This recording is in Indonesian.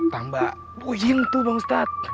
tambah puyeng tuh bang ustad